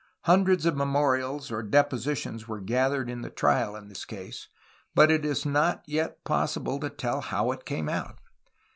Hundreds of memorials or depositions were gathered in the trial of this case, but it is not yet possible to tell how it came out.